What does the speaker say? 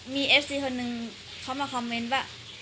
มีเอฟซีคนนึงเขามาคอมเมนต์ว่า